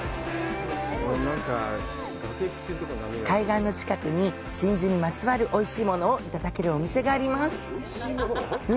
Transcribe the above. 海岸の近くに真珠にまつわるおいしいものをいただけるお店があります。